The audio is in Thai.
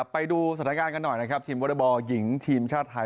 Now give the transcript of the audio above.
ไปดูสถานการณ์กันหน่อยนะครับทีมวอเตอร์บอลหญิงทีมชาติไทย